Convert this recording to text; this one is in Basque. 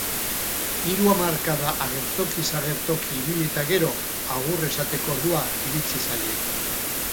Hiru hamarkada agertokiz agertoki ibili eta gero, agur esateko ordua iritsi zaie.